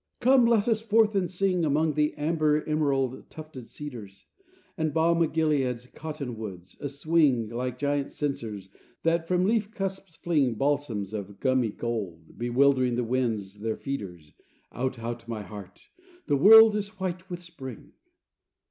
Come, let us forth and sing Among the amber emerald tufted cedars, And balm o' Gileads, cotton woods, a swing Like giant censers, that, from leaf cusps fling Balsams of gummy gold, bewildering The winds their feeders. Out, out, my heart, the world is white with spring.